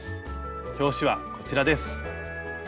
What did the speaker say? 表紙はこちらです。